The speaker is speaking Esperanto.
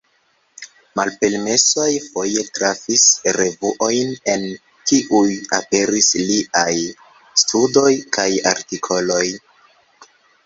Malpermesoj foje trafis revuojn, en kiuj aperis liaj studoj kaj artikoloj.